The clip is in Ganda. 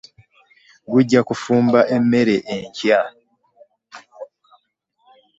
Gujja kufumba emmere enkya.